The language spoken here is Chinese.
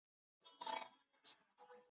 尼布莱。